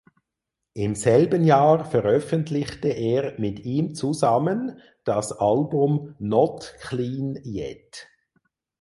Im selben Jahr veröffentlichte er mit ihm zusammen das Album "Not clean yet".